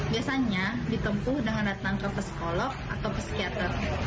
biasanya ditempuh dengan datang ke psikolog atau psikiater